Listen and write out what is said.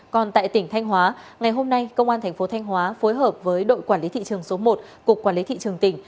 còn tại tỉnh thanh hóa ngày hôm nay công an thành phố thanh hóa phối hợp với đội quản lý thị trường số một cục quản lý thị trường tỉnh